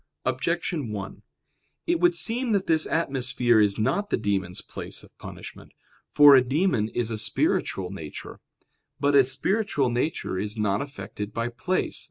Objection 1: It would seem that this atmosphere is not the demons' place of punishment. For a demon is a spiritual nature. But a spiritual nature is not affected by place.